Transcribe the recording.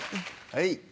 はい。